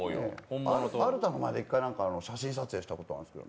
アルタの前でも１回写真撮影したことあるんですよ。